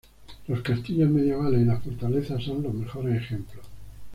Los castillos medievales y las fortalezas son los mejores ejemplos.